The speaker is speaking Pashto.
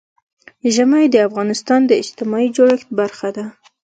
ژمی د افغانستان د اجتماعي جوړښت برخه ده.